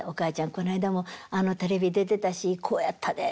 この間もあのテレビ出てたしこうやったで。